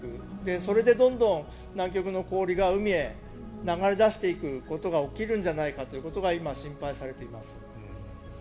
それでどんどん南極の氷が海へ流れ出していくことが起きるんじゃないかということが今、心配されています。